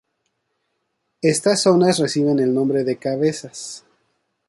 Estas zonas reciben el nombre de cabezas.